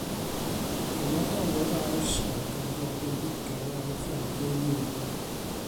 Ymadawodd â'r ysgol gan ddod yn fugail ar y fferm deuluol.